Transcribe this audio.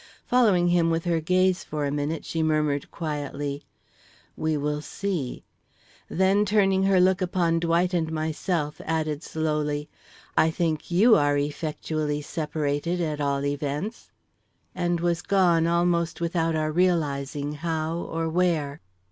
Following him with her gaze for a minute, she murmured, quietly: "We will see"; then turning her look upon Dwight and myself, added slowly: "I think you are effectually separated at all events," and was gone almost without our realizing how or where.